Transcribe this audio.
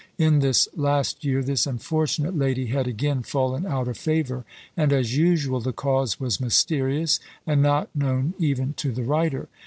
In this last year this unfortunate lady had again fallen out of favour, and, as usual, the cause was mysterious, and not known even to the writer.